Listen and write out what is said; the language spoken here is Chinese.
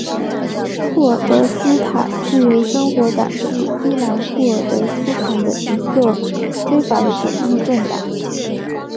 库尔德斯坦自由生活党是伊朗库尔德斯坦的一个非法的左翼政党。